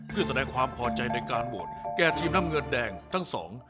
เพื่อแสดงความพอใจในการโหวตแก่ทีมน้ำเงินแดงทั้งสอง